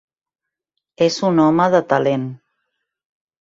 És un home de talent.